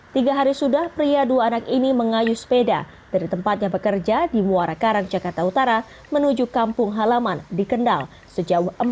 tiga hari sudah pria dua anak ini mengayu sepeda dari tempatnya bekerja di muara karang jakarta utara menuju kampung halaman di kendal sejauh empat puluh